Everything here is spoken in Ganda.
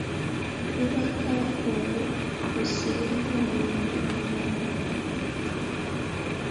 Obwakabaka obwo bussibweko omulangira omulala.